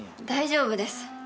大丈夫です。